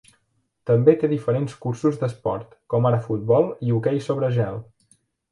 També té diferents cursos d'esport, com ara futbol i hoquei sobre gel.